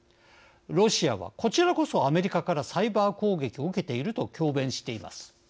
ロシアはこちらこそアメリカからサイバー攻撃を受けていると強弁しています。